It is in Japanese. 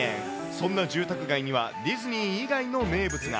そんな住宅街にはディズニー以外の名物が。